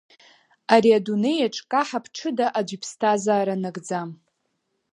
Ари адунеиаҿ каҳа-ԥҽыда, аӡә иԥсҭазаара нагӡам…